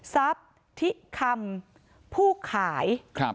ทรัพย์ทิคำผู้ขาย